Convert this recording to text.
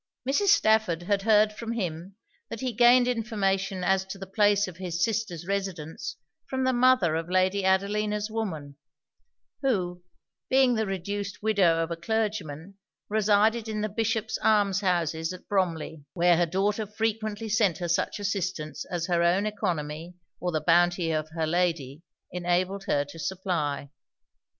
Mrs. Stafford had heard from him, that he gained information as to the place of his sister's residence from the mother of Lady Adelina's woman; who being the reduced widow of a clergyman, resided in the Bishop's alms houses at Bromley, where her daughter frequently sent her such assistance as her own oeconomy, or the bounty of her lady, enabled her to supply.